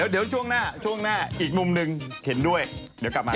เดี๋ยวช่วงหน้าอีกมุมหนึ่งเห็นด้วยเดี๋ยวกลับมาครับ